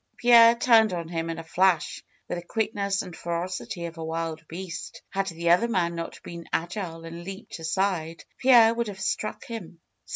Pierre turned on him in a flash, with the quickness and ferocity of a wild beast. Had the other man not been agile and leaped aside, Pierre would have struck him.